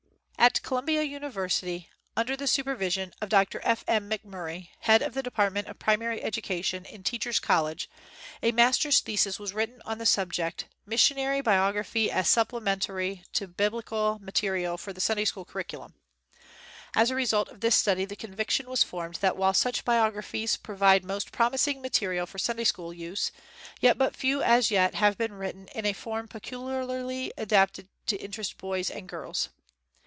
At Columbia University, under the super vision of Dr. F. M. McMurry, head of the department of Primary Education in Teachers College, a Master's thesis was written on the subject "Missionary Biog raphy as Supplementary to Biblical Mate xv PREFACE rial for the Sunday School Curriculum." As a result of this study the conviction was formed that while such biographies provide most promising material for Sunday school use, yet but few as yet have been written in a form peculiarly adapted to interest boys and girls.